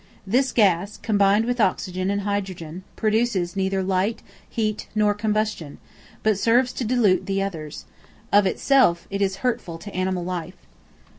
This gas, combined with oxygen and hydrogen, produces neither light, heat, nor combustion, but serves to dilute the others: of itself, it is hurtful to animal life.